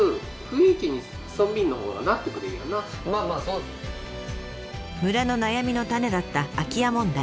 だんだん村の悩みの種だった空き家問題。